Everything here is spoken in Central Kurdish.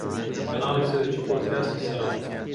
کەناڵی سەرەکی پۆدکاستی چاوگ